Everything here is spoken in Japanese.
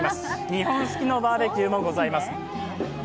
日本式のバーベキューもございます。